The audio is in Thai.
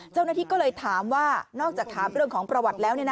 เจ้าหน้าที่ก็เลยถามว่านอกจากถามเรื่องของประวัติแล้ว